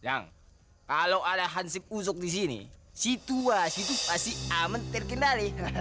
yang kalau ada hansip usuk di sini situasi itu pasti aman terkendali